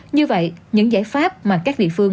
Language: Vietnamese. như vậy những giải pháp mà các địa phương